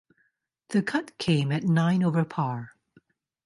The cut came at nine over par.